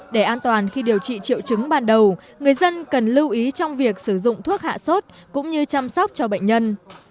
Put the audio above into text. để an toàn khi điều trị triệu chứng ban đầu người dân cần lưu ý trong việc sử dụng thuốc hạ sốt cũng như chăm sóc cho bệnh nhân